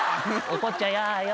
怒っちゃやーよ。